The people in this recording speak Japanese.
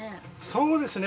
そうですね。